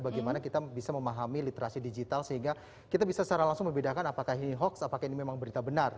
bagaimana kita bisa memahami literasi digital sehingga kita bisa secara langsung membedakan apakah ini hoax apakah ini memang berita benar